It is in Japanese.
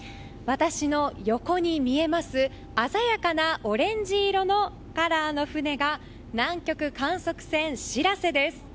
私の横に見えます鮮やかなオレンジ色のカラーの船が南極観測船「しらせ」です。